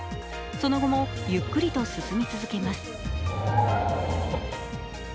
その後もゆっくりと進み続けます。